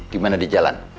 gimana di jalan